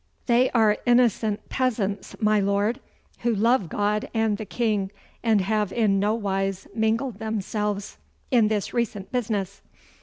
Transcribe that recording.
'They are innocent peasants, my Lord, who love God and the King, and have in no wise mingled themselves in this recent business.